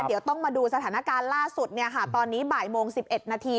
เดี๋ยวต้องมาดูสถานการณ์ล่าสุดตอนนี้บ่ายโมง๑๑นาที